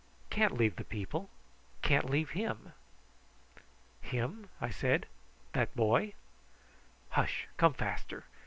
Can't leave the people can't leave him." "Him!" I said; "that boy?" "Hush! come faster."